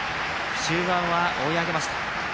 終盤は追い上げました。